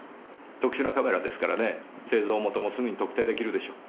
特殊なカメラですからね製造元もすぐに特定できるでしょう。